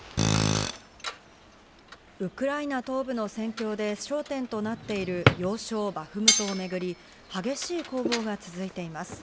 ウクライナ東部の戦況で焦点となっている要衝バフムトをめぐり激しい攻防が続いています。